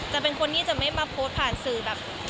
เป็นคนที่จะไม่มาโพสต์ผ่านสื่อแบบ